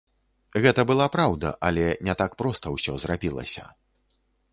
Гэта была праўда, але не так проста ўсё зрабілася.